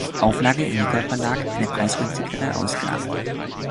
Auflage im Nikol Verlag eine preisgünstigere Ausgabe